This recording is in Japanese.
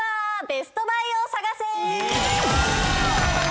ベストバイを探せ！